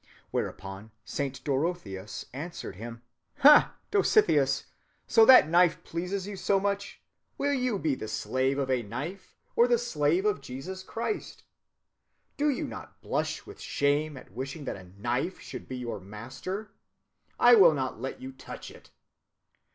Whereupon Saint Dorotheus answered him: 'Ha! Dositheus, so that knife pleases you so much! Will you be the slave of a knife or the slave of Jesus Christ? Do you not blush with shame at wishing that a knife should be your master? I will not let you touch it.